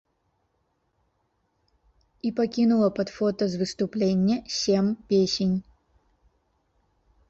І пакінула пад фота з выступлення сем песень.